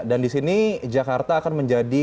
dan disini jakarta akan menjadi